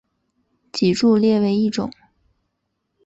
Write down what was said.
脊柱裂为一种。